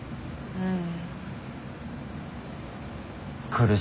うん。